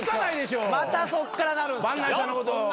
またそっからなるんですか？